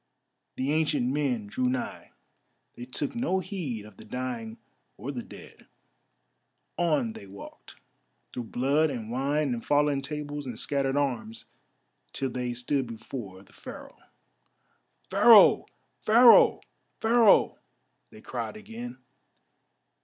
The ancient men drew nigh. They took no heed of the dying or the dead: on they walked, through blood and wine and fallen tables and scattered arms, till they stood before the Pharaoh. "Pharaoh! Pharaoh! Pharaoh!" they cried again.